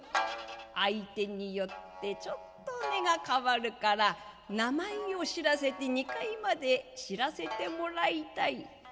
「相手によってちょっと値が変わるから名前を知らせて２階まで知らせてもらいたい」。